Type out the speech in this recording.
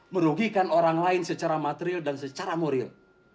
merugikan orang lain secara material dan secara moral